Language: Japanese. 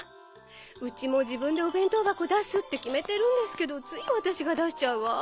うちも自分でお弁当箱出すって決めてるんですけどついワタシが出しちゃうわ。